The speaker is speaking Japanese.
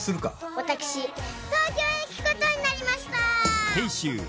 私東京へ行くことになりました！